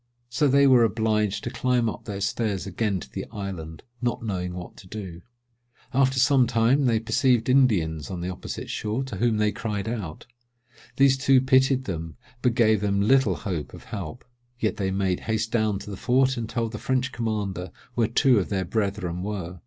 So they were obliged to climb up their stairs again to the island, not knowing what to do. After some time they perceived Indians on the opposite shore, to whom they cried out. These two pitied them, but gave them little hopes of help; yet they made haste down to the fort, and told the French commander where two of their brethren were.